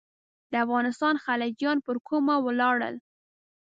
د افغانستان خلجیان پر کومه ولاړل.